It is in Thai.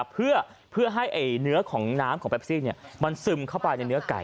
เพื่อให้เนื้อของน้ำนะมันซึมเข้าไปเนื้อไก่